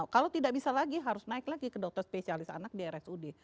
kalau tidak bisa lagi harus naik lagi ke dokter spesialis anak di rsud